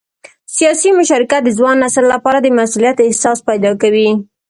سیاسي مشارکت د ځوان نسل لپاره د مسؤلیت احساس پیدا کوي